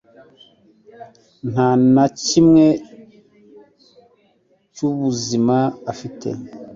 nnta na kimwe cy'ubuzima afite.